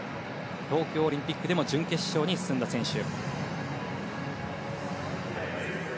東京オリンピックでも準決勝に進んだ選手。